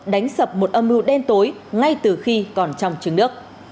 đánh sập một âm mưu đen tối ngay từ khi còn trong trứng nước